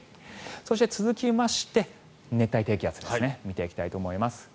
そして続きまして熱帯低気圧見ていきたいと思います。